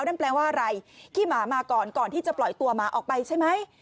นั่นแปลว่าอะไรขี้หมามาก่อนก่อนที่จะปล่อยตัวหมาออกไปใช่ไหม